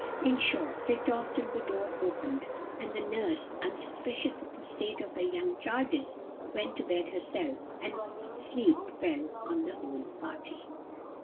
In short, they talked till the door opened, and the nurse, unsuspicious of the state of her young charges, went to bed herself, and sleep fell on the whole party.